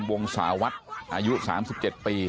วงสาวัตรอายุ๓๗ปี